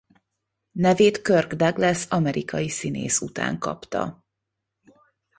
Nevét Kirk Douglas amerikai színész után kapta.